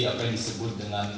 apa yang disebut dengan